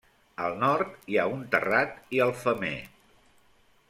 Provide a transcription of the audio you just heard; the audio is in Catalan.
Al nord hi ha un terrat i el femer.